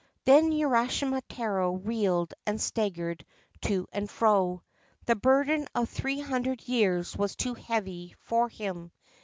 Then Urashima Taro reeled and staggered to and fro. The burden of three hundred years was too heavy for him.